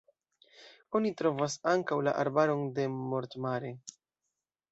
Oni trovas ankaŭ la arbaron de Mort-Mare.